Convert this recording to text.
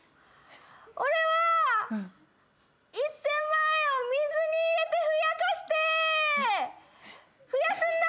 俺は１，０００万円を水に入れてふやかして増やすんだ！